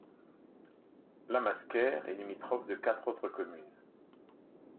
Lamasquère est limitrophe de quatre autres communes.